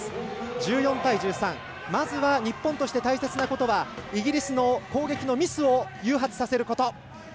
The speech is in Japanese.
１４対１３、まずは日本として大切なことはイギリスの攻撃のミスを誘発させること。